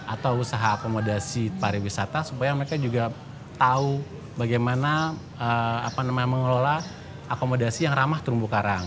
atau usaha akomodasi pariwisata supaya mereka juga tahu bagaimana mengelola akomodasi yang ramah terumbu karang